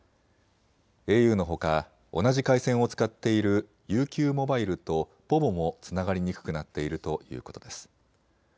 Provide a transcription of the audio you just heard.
ａｕのほか同じ回線を使っているＵＱモバイルとｐｏｖｏもつながりにくくなっているということです。